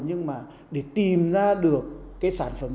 nhưng mà để tìm ra được cái sản phẩm